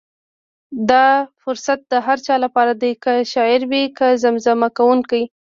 دا فرصت د هر چا لپاره دی، که شاعر وي که زمزمه کوونکی.